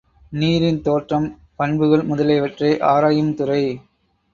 நீரின் தோற்றம் பண்புகள் முதலியவற்றை ஆராயும் துறை.